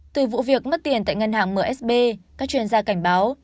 từ vụ việc mất tiền tại ngân hàng msb các chuyên gia cảnh báo